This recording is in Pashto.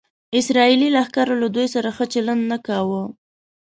اسرائیلي عسکرو له دوی سره ښه چلند نه کاوه.